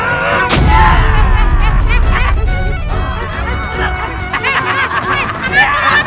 apakah kamu berani setup love